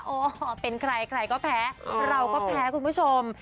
เป็นใครใครก็แพ้เราก็แพ้คุณผู้ชม